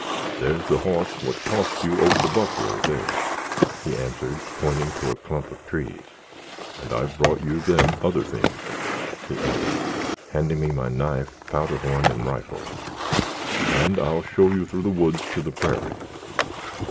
"There's the hoss what tossed you over the buffler there," he answered, pointing to a clump of trees, "and I've brought you them other things," he added, handing me my knife, powder horn, and rifle, "and I'll show you through the woods to the peararie."